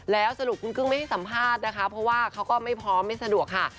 แล้วสรุปคุณกึ้งไม่ให้สัมภาษณ์นะคะเพราะว่าเขาก็ไม่พร้อมไม่สะดวกค่ะ